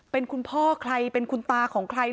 เป็นคุณพ่อใครเป็นคุณตาของใคร